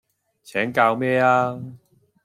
請教咩吖